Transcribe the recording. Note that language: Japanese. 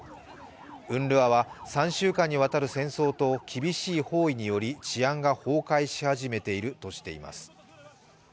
ＵＮＲＷＡは３週間にわたる戦争と厳しい包囲により治安が崩壊し始めているとしています。